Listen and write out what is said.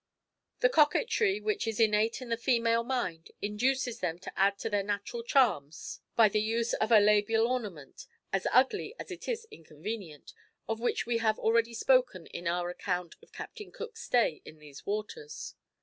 The coquetry which is innate in the female mind, induces them to add to their natural charms by the use of a labial ornament, as ugly as it is inconvenient, of which we have already spoken in our account of Captain Cook's stay in these waters.